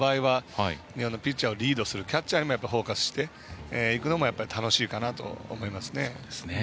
ピッチャーをリードするキャッチャーにフォーカスしていくのも楽しいかなと思いますね。